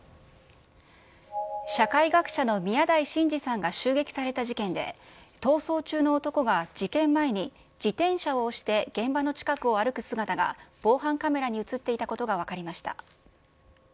社会学者の宮台真司さんが襲撃された事件で、逃走中の男が事件前に自転車を押して現場の近くを歩く姿が、防犯カメラに写っていたことが分かりました。